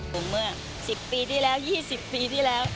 ผมเมื่อ๑๐ปีที่แล้ว๒๐ปีที่แล้ว